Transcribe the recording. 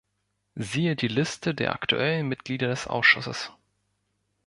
Siehe die Liste der aktuellen Mitglieder des Ausschusses.